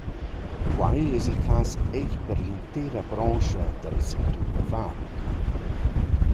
Que es il cas eir per l’intera brandscha dal sectur da fabrica.